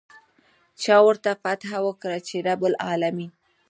چا ورته فتحه ورکړه چې رب العلمين.